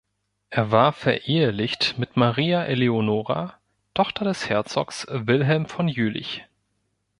Er war verehelicht mit Maria Eleonora, Tochter des Herzogs Wilhelm von Jülich.